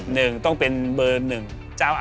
หรือมรู้สินะ